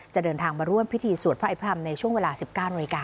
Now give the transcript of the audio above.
จะเดินทางมาร่วมพิธีสวดพระอภรมในช่วงเวลา๑๙นาฬิกา